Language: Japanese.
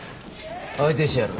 相手してやる。